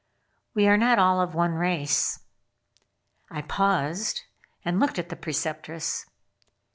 "We are not all of one race." I paused and looked at the Preceptress.